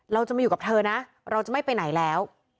เราจะมาอยู่กับเธอนะเราจะไม่ไปไหนแล้ว